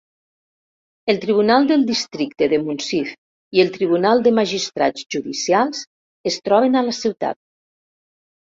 El Tribunal del Districte de Munsiff i el Tribunal de Magistrats Judicials es troben a la ciutat.